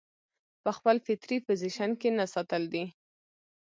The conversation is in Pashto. پۀ خپل فطري پوزيشن کښې نۀ ساتل دي